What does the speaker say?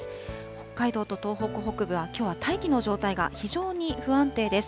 北海道と東北北部は、きょうは大気の状態が非常に不安定です。